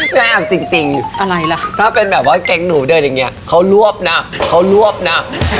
แม่เอาจริงอะไรล่ะถ้าเป็นแบบว่าแก๊งหนูเดินอย่างนี้เขารวบนะเขารวบนะ